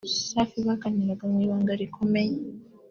Safi baganiraga mu ibanga rikomeye